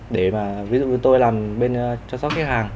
để mà ví dụ như tôi làm bên chăm sóc khách hàng